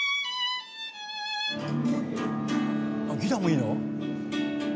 あっギターもいいの？